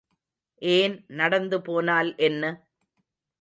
ஏன் நடந்துபோனால் என்ன?